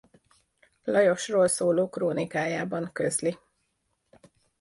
Lajosról szóló krónikájában közli.